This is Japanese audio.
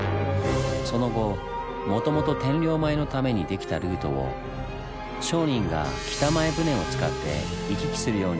その後もともと天領米のために出来たルートを商人が北前船を使って行き来するようになります。